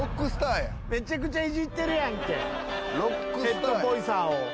ヘッドボイサーを。